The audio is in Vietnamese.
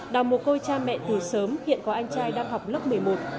đào mồ côi cha mẹ từ sớm hiện có anh trai đang học lớp một mươi một